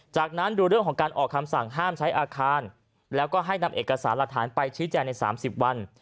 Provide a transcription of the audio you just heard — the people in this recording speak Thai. จากนั้นดูเรื่องของการออกคำสั่งห้ามใช้อาคารแล้วก็ให้นำเอกสารหลักฐานไปชี้แจงใน๓๐วัน